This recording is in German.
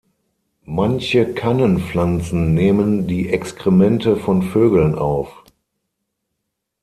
Manche Kannenpflanzen nehmen die Exkremente von Vögeln auf.